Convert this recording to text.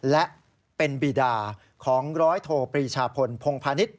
และเป็นบีดาของร้อยโทปรีชาพลพงพาณิชย